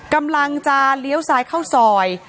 กำลังจะเลี้ยวซ้ายเข้าซอย